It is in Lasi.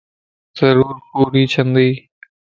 ضرور پوري ڇندي